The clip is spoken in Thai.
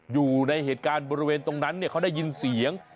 อยู่ในเหตุการณ์บริเวณตรงนั้นเขาได้ยินเสียง